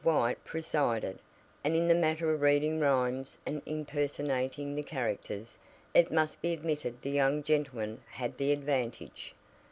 White "presided," and in the matter of reading rhymes and impersonating the characters, it must be admitted the young gentlemen had the advantage.